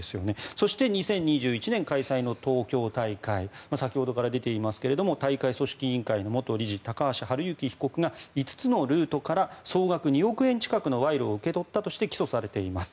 そして２０２１年開催の東京大会先ほどから出ていますが大会組織委員会の元理事高橋治之被告が５つのルートから総額２億円近くの賄賂を受け取ったとして起訴されています。